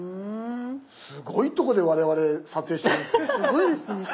すごいとこで我々撮影してますね。